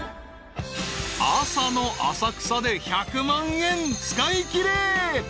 ［朝の浅草で１００万円使いきれ］